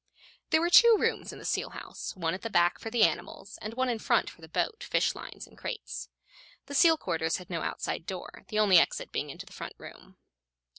There were two rooms in the seal house, one at the back for the animals, and one in front for the boat, fish lines and crates. The seal quarters had no outside door, the only exit being into the front room.